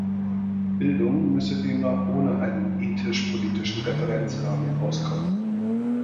Bildung müsse demnach ohne einen ethisch-politischen Referenzrahmen auskommen.